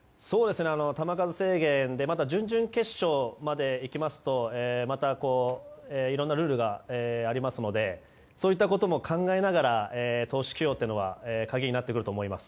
球数制限や準々決勝までいきますとまた、いろんなルールがありますのでそういったことも考えながら投手起用というのは鍵になってくると思います。